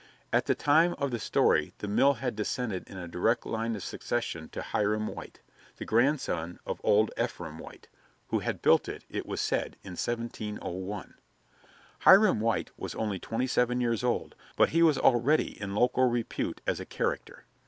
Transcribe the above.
At the time of the story the mill had descended in a direct line of succession to Hiram White, the grandson of old Ephraim White, who had built it, it was said, in 1701. Hiram White was only twenty seven years old, but he was already in local repute as a "character."